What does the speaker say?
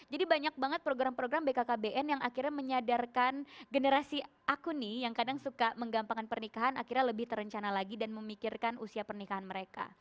jadi banyak banget program program bkkbn yang akhirnya menyadarkan generasi aku nih yang kadang suka menggampangkan pernikahan akhirnya lebih terencana lagi dan memikirkan usia pernikahan mereka